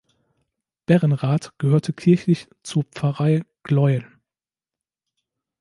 Berrenrath gehörte kirchlich zur Pfarrei Gleuel.